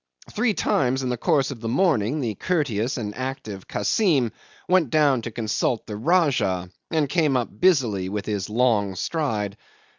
Three times in the course of the morning the courteous and active Kassim went down to consult the Rajah and came up busily with his long stride.